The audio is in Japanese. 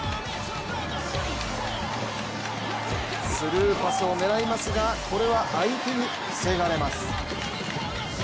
スルーパスを狙いますがこれは相手に防がれます。